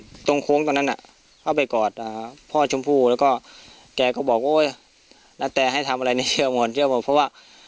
ตรงโค้งตอนนั้นน่ะเข้าไปกอดพ่อชมพู่แล้วก็แกก็บอกโอ๊ยณแต่ให้ทำอะไรเนี่ยหมอนเที่ยวบอกเพราะว่า